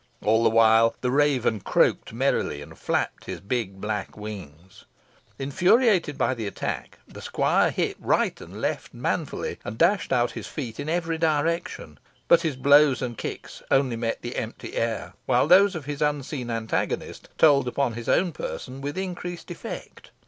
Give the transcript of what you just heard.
All the while the raven croaked merrily, and flapped his big black wings. Infuriated by the attack, the squire hit right and left manfully, and dashed out his feet in every direction; but his blows and kicks only met the empty air, while those of his unseen antagonist told upon his own person with increased effect.